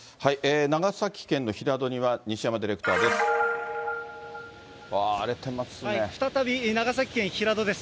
長崎県の平戸には、西山ディレクターです。